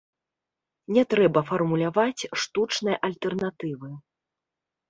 Не трэба фармуляваць штучнай альтэрнатывы.